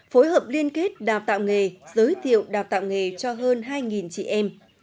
phối hợp liên kết đào tạo nghề giới thiệu đào tạo nghề cho hơn hai chị em